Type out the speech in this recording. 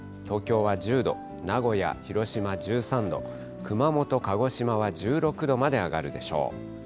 東京は１０度、名古屋、広島１３度、熊本、鹿児島は１６度まで上がるでしょう。